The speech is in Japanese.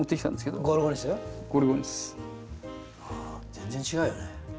全然違うよね。